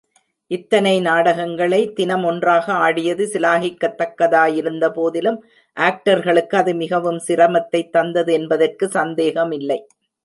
இத்தனை நாடகங்களை தினம் ஒன்றாக ஆடியது சிலாகிக்கத் தக்கதாயிருந்தபோதிலும், ஆக்டர்களுக்கு அது மிகவும் சிரமத்தைத் தந்தது என்பதற்குச் சந்தேகமில்லை.